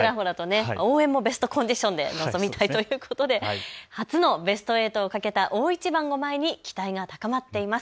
応援もベストコンディションで臨みたいということで初のベスト８をかけた大一番を前に期待が高まっています。